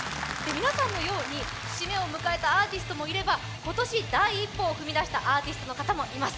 皆さんのように節目を迎えたアーティストもいれば今年第一歩を踏み出したアーティストの皆さんもいます。